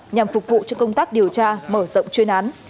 nhằm phục vụ cho công tác điều tra mở rộng chuyên án